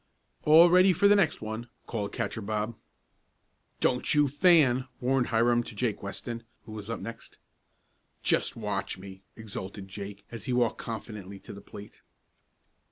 "All ready for the next one!" called Catcher Bob. "Don't you fan!" warned Hiram to Jake Weston, who was next up. "Just watch me!" exulted Jake as he walked confidently to the plate.